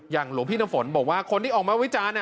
หลวงพี่น้ำฝนบอกว่าคนที่ออกมาวิจารณ์